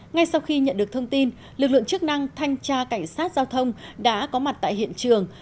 ngay sau khi nhận được thông tin lực lượng chức năng thanh tra cảnh sát giao thông đã có mặt tại hiện trường